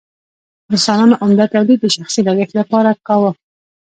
انسانانو عمده تولید د شخصي لګښت لپاره کاوه.